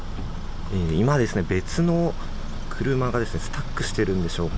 今、別の車がスタックしているのでしょうか。